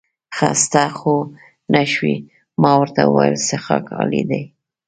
خسته خو نه شوې؟ ما ورته وویل څښاک عالي دی.